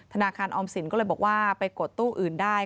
ธนาคารออมสินก็เลยบอกว่าไปกดตู้อื่นได้